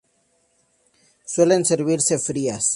Suelen servirse frías.